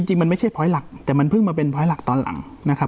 จริงมันไม่ใช่พร้อยหลักแต่มันเพิ่งมาเป็นร้อยหลักตอนหลังนะครับ